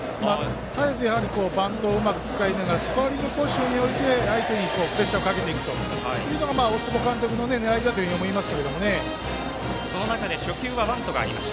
絶えずバントをうまく使いながらスコアリングポジションで相手にプレッシャーをかけていくというのが大坪監督の狙いだと思います。